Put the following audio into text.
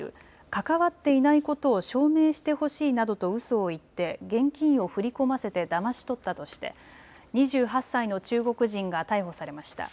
関わっていないことを証明してほしいなどとうそを言って現金を振り込ませてだまし取ったとして２８歳の中国人が逮捕されました。